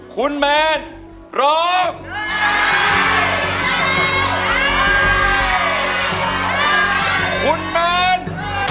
คุณแมนร้องคุณแมน